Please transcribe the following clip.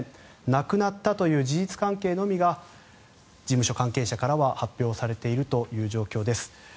亡くなったという事実関係のみが事務所関係者からは発表されているという状況です。